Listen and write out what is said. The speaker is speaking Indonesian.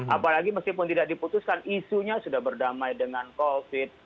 apalagi meskipun tidak diputuskan isunya sudah berdamai dengan covid